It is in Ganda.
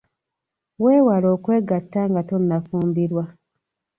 Weewale okwegatta nga tonnafumbirwa.